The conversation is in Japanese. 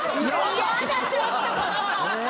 イヤだちょっとこの子！